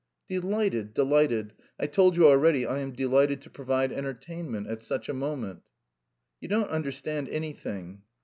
"Delighted, delighted. I told you already I am delighted to provide entertainment... at such a moment." "You don't understand anything."